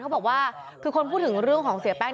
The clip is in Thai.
เขาบอกว่าคือคนพูดถึงเรื่องของเสียแป้ง